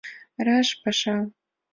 — Раш паша!